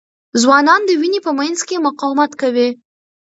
ځوانان د وینې په مینځ کې مقاومت کوي.